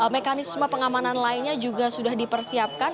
mekanisme pengamanan lainnya juga sudah dipersiapkan